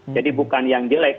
jadi bukan yang jelek